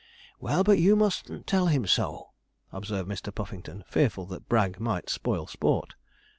'Well, but you mustn't tell him so,' observed Mr. Puffington, fearful that Bragg might spoil sport.